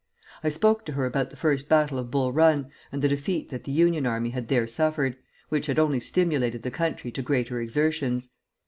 I spoke to her about the first battle of Bull Run, and the defeat that the Union army had there suffered, which had only stimulated the country to greater exertions.